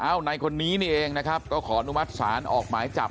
ในคนนี้นี่เองนะครับก็ขออนุมัติศาลออกหมายจับ